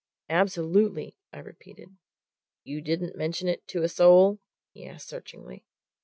"Absolutely!" I repeated. "You didn't mention it to a soul?" he asked searchingly.